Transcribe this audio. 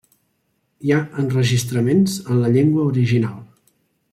Hi ha enregistraments en la llengua original.